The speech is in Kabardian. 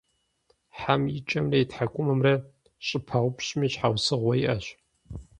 Хьэм и кӀэмрэ и тхьэкӏумэмрэ щӀыпаупщӀми щхьэусыгъуэ иӀэщ.